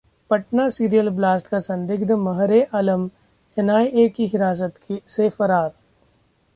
Patna serial blast का संदिग्ध Mehre Alam NIA की हिरासत से फरार